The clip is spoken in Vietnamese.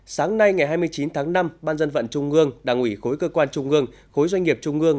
sáng nay ngày hai mươi chín tháng năm ban dân vận trung ương đảng ủy khối cơ quan trung ương khối doanh nghiệp trung ương